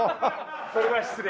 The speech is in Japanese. それは失礼。